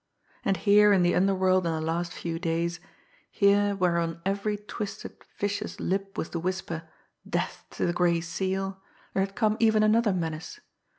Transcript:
And here in the underworld in the last few days, here where on every twisted, vicious lip was the whisper, "Death to the Gray Seal," there had come even another menace.